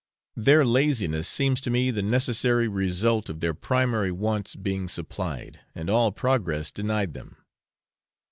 Their laziness seems to me the necessary result of their primary wants being supplied, and all progress denied them.